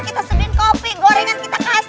kita sebin kopi gorengan kita kasih